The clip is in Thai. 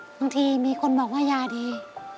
บางทีมีคนบอกว่ายาดี